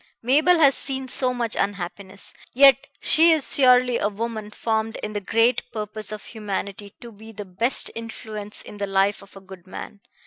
Mabel has seen so much unhappiness, yet she is surely a woman formed in the great purpose of humanity to be the best influence in the life of a good man.